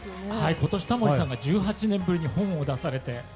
今年、タモリさんが１８年ぶりに本を出されて。